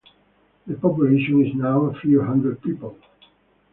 The population is now a few hundred people.